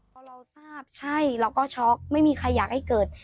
พอเราทราบใช่เราก็ช็อกไม่มีใครอยากให้เกิด